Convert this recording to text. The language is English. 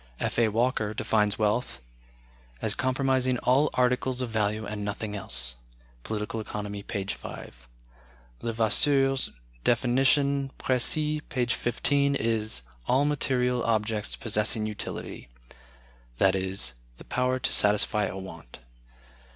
F. A. Walker defines wealth as comprising "all articles of value and nothing else" ("Political Economy," p. 5). Levasseur's definition ("Précis," p. 15) is, "all material objects possessing utility" (i.e., the power to satisfy a want).